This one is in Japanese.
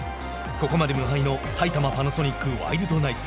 ここまで無敗の埼玉パナソニックワイルドナイツ。